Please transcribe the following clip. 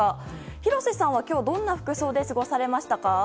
廣瀬さんは今日どんな服装で過ごされましたか？